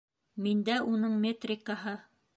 Миндә уның метрикаһы!